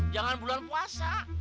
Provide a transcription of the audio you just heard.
jangan bulan puasa